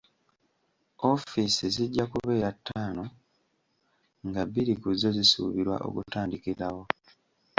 Offiisi zijja kubeera ttaano, nga bbiri ku zo zisuubirwa okutandikirawo.